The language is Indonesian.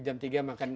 jam tiga makan